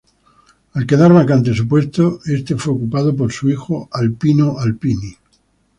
Al quedar vacante su puesto, este fue ocupado por su hijo, Alpino Alpini.